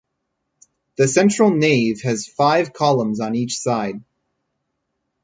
The central nave has five columns on each side.